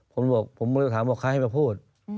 ผมบอกผมก็เลยถามว่าใครให้มาพูด